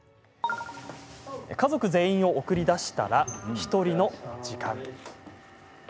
家族全員を送り出したら１人の時間。